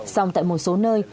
sống tại một số nơi